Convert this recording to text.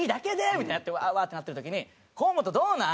みたいになってワーワーってなってる時に「河本どうなん？